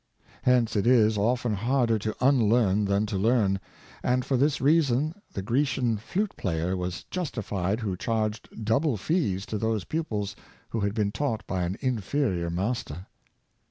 Hence, it is often harder to unlearn than to learn, and for this reason the Grecian flute player was justified who charged double fees to those pupils who had been taught by an inferior master.